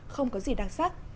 không có gì đặc sắc